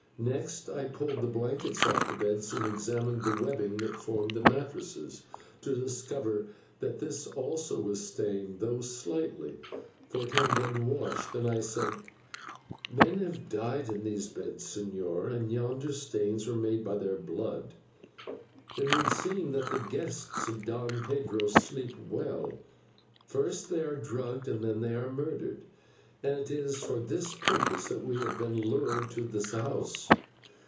Next I pulled the blankets off the beds and examined the webbing that formed the mattresses, to discover that this also was stained, though slightly, for it had been washed. Then I said: "Men have died in these beds, señor, and yonder stains were made by their blood. It would seem that the guests of Don Pedro sleep well; first they are drugged, then they are murdered; and it is for this purpose that we have been lured to the house.